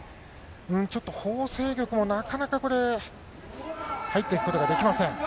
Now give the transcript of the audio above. ちょっとホウ倩玉もなかなかこれ、入っていくことができません。